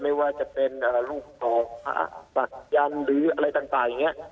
ไม่ว่าจะเป็นลูกศพหรืออะไรต่างอย่างนี้